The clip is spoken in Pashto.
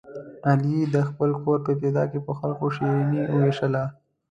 علي د خپل کور په ابتدا کې په خلکو شیریني ووېشله.